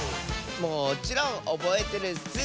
もちろんおぼえてるッス！